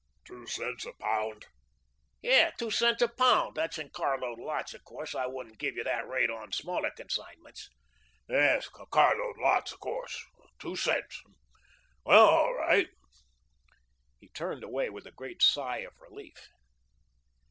"Two cents a pound?" "Yes, two cents a pound that's in car load lots, of course. I won't give you that rate on smaller consignments." "Yes, car load lots, of course... two cents. Well, all right." He turned away with a great sigh of relief.